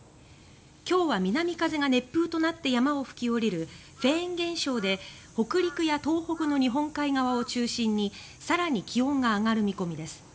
今日は南風が熱風となって山を吹き下りるフェーン現象で北陸や東北の日本海側を中心に更に気温が上がる見込みです。